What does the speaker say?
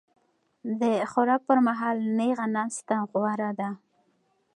د خوراک پر مهال نېغه ناسته غوره ده.